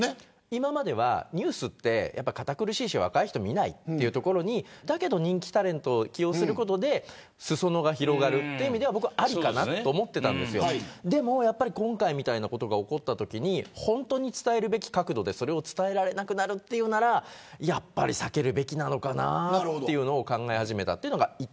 今まではニュースは堅苦しいし若い人が見ないというところに人気タレントを起用して裾野が広がるという意味ではありかなと思っていたんですが今回みたいなことが起きたとき本当に伝えるべき角度で伝えられなくなるならやっぱり避けるべきなのかなというのを考え始めた。